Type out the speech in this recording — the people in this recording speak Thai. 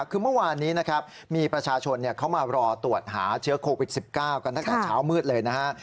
คือเมื่อวานนี้นะครับมีประชาชนเขามารอตรวจหาเชื้อโควิด๑๙กันตั้งแต่เช้ามืดเลยนะฮะ